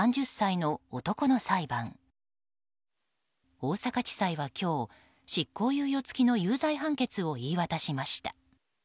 大阪地裁は今日、執行猶予付きの有罪判決を言い渡しました。